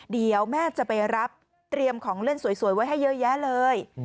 เดี๋ยวแม่จะไปรับเตรียมของเล่นสวยไว้ให้เยอะแยะเลย